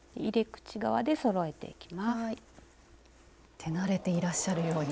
手慣れていらっしゃるように。